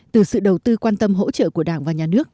từ sự đầu tư quan tâm hỗ trợ của đảng và nhà nước